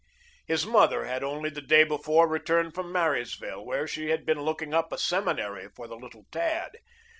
His mother had only the day before returned from Marysville, where she had been looking up a seminary for the little tad.